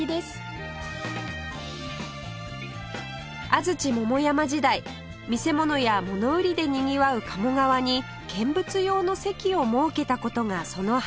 安土桃山時代見せ物や物売りでにぎわう鴨川に見物用の席を設けた事がその始まり